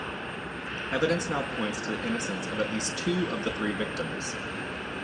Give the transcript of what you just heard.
Evidence now points to the innocence of at least two of the three victims.